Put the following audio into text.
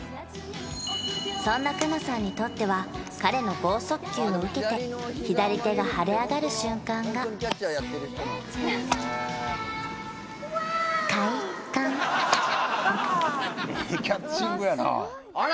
そんな佳菜さんにとっては彼の豪速球を受けて左手が腫れ上がる瞬間がええキャッチングやなあら！